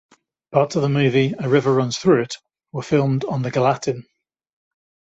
Parts of the movie "A River Runs Through It" were filmed on the Gallatin.